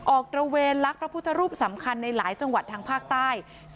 ตระเวนลักษณ์พระพุทธรูปสำคัญในหลายจังหวัดทางภาคใต้